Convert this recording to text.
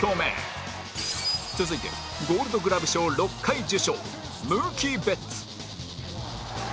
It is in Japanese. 続いてゴールドグラブ賞６回受賞ムーキー・ベッツ